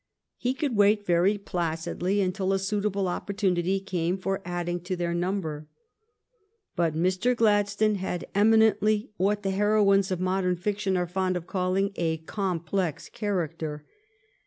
He could wait very placidly until a suitable opportunity came for adding to their number. But Mr. Gladstone had eminently what the heroines of modern fiction are fond of calling a complex character.